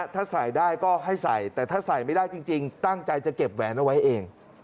ถ้าใส่ได้ก็ให้ใส่แต่ถ้าใส่ไม่ได้จริงตั้งใจจะเก็บแหวนเอาไว้เอง